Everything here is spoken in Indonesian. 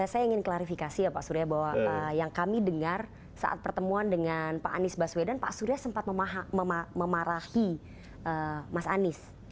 saya ingin klarifikasi ya pak surya bahwa yang kami dengar saat pertemuan dengan pak anies baswedan pak surya sempat memarahi mas anies